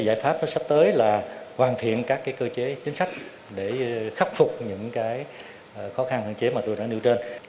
giải pháp sắp tới là hoàn thiện các cơ chế chính sách để khắc phục những khó khăn hạn chế mà tôi đã nêu trên